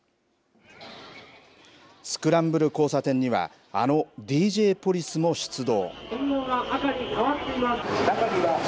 スクランブル交差点にはあのＤＪポリスも出動。